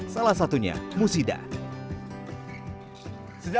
salah satunya musida